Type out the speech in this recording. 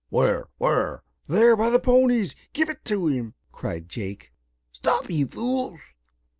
"Where, where?" "There, by the ponies. Give it to him!" cried Jake. "Stop, you fools!"